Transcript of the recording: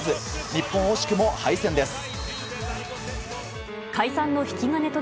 日本、惜しくも敗戦です。